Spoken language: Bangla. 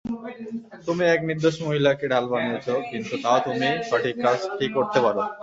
তুমি এক নির্দোষ মহিলাকে ঢাল বানিয়েছো, কিন্তু তাও তুমি সঠিক কাজটি করতে পারো।